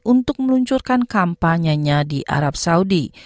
untuk meluncurkan kampanyenya di arab saudi